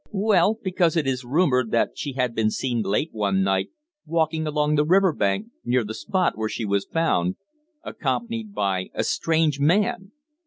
"Well, because it is rumoured that she had been seen late one night walking along the river bank, near the spot where she was found, accompanied by a strange man."